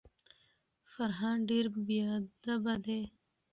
فرهان ډیر بیادبه دی.